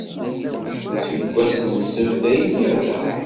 Seg wass n ssebt ay lliɣ da.